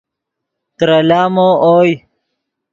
ترے لامو اوئے